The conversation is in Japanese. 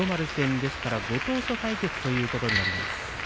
ですからご当所対決ということになります。